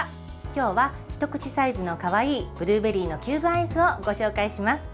今日は、一口サイズのかわいいブルーベリーのキューブアイスをご紹介します。